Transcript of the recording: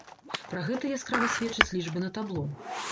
Пра гэта яскрава сведчаць лічбы на табло.